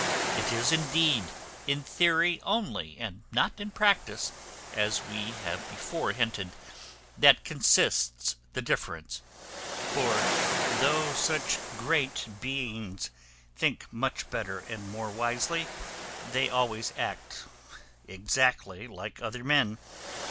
It is, indeed, in theory only, and not in practice, as we have before hinted, that consists the difference: for though such great beings think much better and more wisely, they always act exactly like other men.